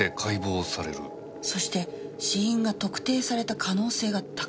そして死因が特定された可能性が高い。